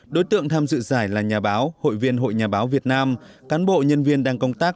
đối tượng tham dự giải là nhà báo hội viên hội nhà báo việt nam cán bộ nhân viên đang công tác